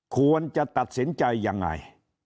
ควรจะตัดสินใจยังไง